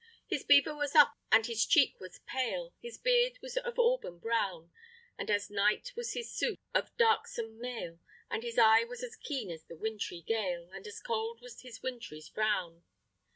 His beaver was up, and his cheek was pale His beard was of auburn brown; And as night was his suit of darksome mail, And his eye was as keen as the wintry gale, And as cold was his wintry frown.